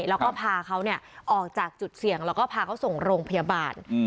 แล้วก็พาเขาออกจากจุดเสี่ยงแล้วก็พาเขาส่งโรงพยาบาล